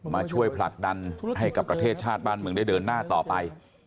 มาช่วยผลักดันให้กับประเทศชาติบ้านเมืองได้เดินหน้าต่อไป